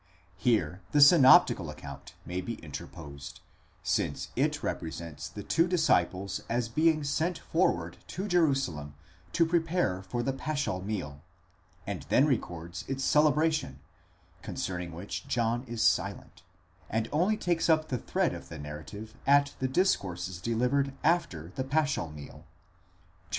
Here the synoptical account may be interposed, since it represents the two disciples as being sent forward to Jerusalem to prepare for the paschal meal, and then records its celebration, concerning which John is silent, and only takes up the thread of the narrative at the discourses de livered after the paschal meal (xv.